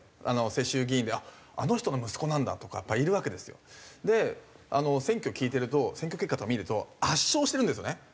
世襲議員であっあの人の息子なんだとかやっぱりいるわけですよ。で選挙聞いてると選挙結果とか見ると圧勝してるんですよね。